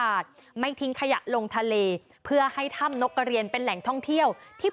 ไม่ทิ้งขยะลงทะเลเพื่อให้ถ้ำนกกระเรียนเป็นแหล่งท่องเที่ยวที่